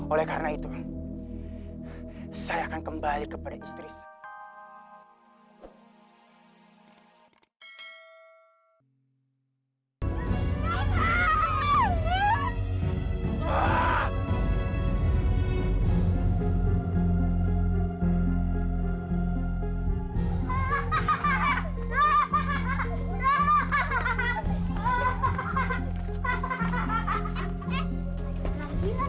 oleh karena itu saya akan kembali kepada istri saya